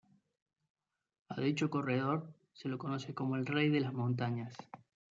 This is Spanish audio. A dicho corredor se le conoce como el "rey de las montañas".